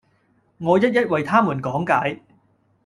我一一為他們講解